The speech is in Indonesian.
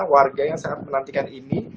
warga yang sangat menantikan ini